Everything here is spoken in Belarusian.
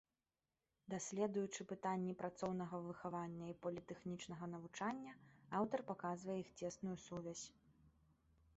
Даследуючы пытанні працоўнага выхавання і політэхнічнага навучання, аўтар паказвае іх цесную сувязь.